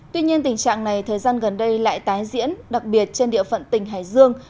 tuy nhiên tình trạng này thời gian gần đây lại tái diễn đặc biệt trên địa phận tỉnh hải dương